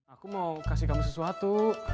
aku mau kasih kamu sesuatu